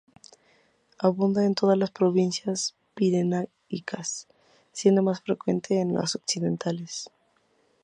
Abunda en todas las provincias pirenaicas, siendo más frecuente en las occidentales.